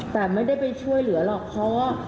แต่ไม่ได้ไปช่วยเหลือหรอกเพราะว่า